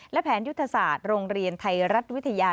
และแผนยุทธศาสตร์โรงเรียนไทยรัฐวิทยา